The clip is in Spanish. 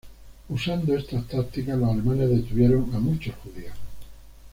Usando esta táctica, los alemanes detuvieron a muchos Judíos.